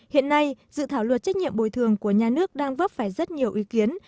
hiện nay dự thảo luật trách nhiệm bồi thường của nhà nước đang vấp phải rất nhiều ý kiến